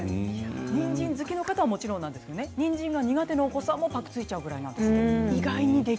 にんじん好きな人ももちろんなんですがにんじんが苦手な人もぱくついちゃうぐらいなんです。